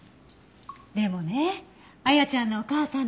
でもね亜矢ちゃんのお母さんとは１２年よ。